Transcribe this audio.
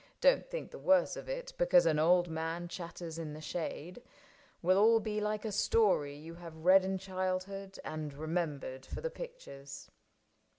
— don't think the worse of It Because an old man chatters in the shade — Will all be like a story you have read In childhood and remembered for the pictures.